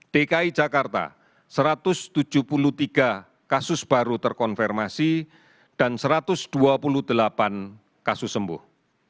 dki jakarta satu ratus tujuh puluh tiga kasus baru terkonfirmasi dan satu ratus dua puluh delapan kasus sembuh